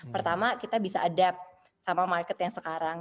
pertama kita bisa adapt sama market yang sekarang